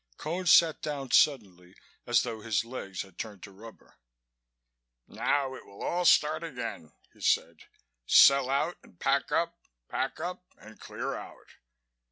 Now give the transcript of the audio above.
Cone sat down suddenly, as though his legs had turned to rubber. "Now it will all start again," he said. "Sell out and pack up, pack up and clear out."